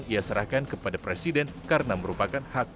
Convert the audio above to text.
ia serahkan kepada presiden karena merupakan hak